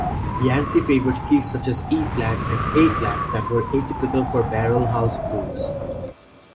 Yancey favored keys-such as E-flat and A-flat-that were atypical for barrelhouse blues.